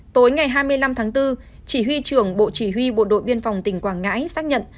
tối ngày hai mươi năm tháng bốn chỉ huy trưởng bộ chỉ huy bộ đội biên phòng tỉnh quảng ngãi xác nhận